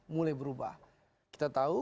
mulai berubah kita tahu